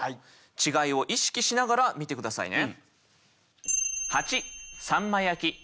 違いを意識しながら見て下さいね。